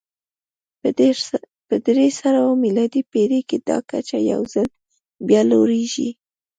په درې سوه میلادي پېړۍ کې دا کچه یو ځل بیا لوړېږي